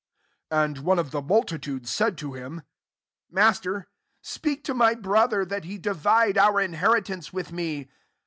IS And one of the multitude said to him, " Master, speak to my brother, that he divide our inheritance with me."